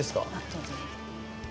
どうぞ。